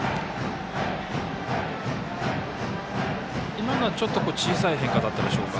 今のは小さい変化だったでしょうか？